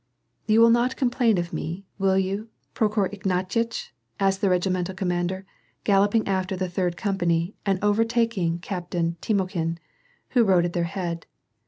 " You will not complain of me, will you, Prokhor Ignatyitch," asked the regimental commander, galloping after the third com pany and overtaking Captain Timokhin, who rode at their head.